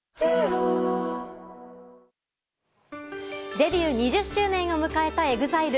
デビュー２０周年を迎えたＥＸＩＬＥ。